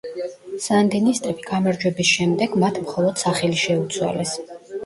სანდინისტები გამარჯვების შემდეგ, მათ მხოლოდ სახელი შეუცვალეს.